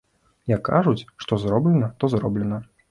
Як кажуць, што зроблена, то зроблена.